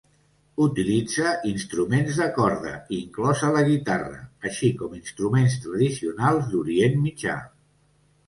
Utilitza instruments de corda, inclosa la guitarra, així com instruments tradicionals d'Orient Mitjà.